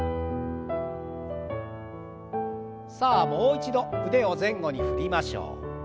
さあもう一度腕を前後に振りましょう。